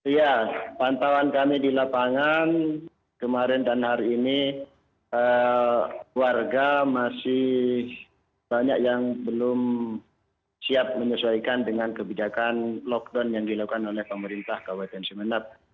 iya pantauan kami di lapangan kemarin dan hari ini warga masih banyak yang belum siap menyesuaikan dengan kebijakan lockdown yang dilakukan oleh pemerintah kabupaten sumeneb